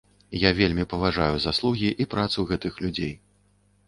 Я вельмі паважаю заслугі і працу гэтых людзей.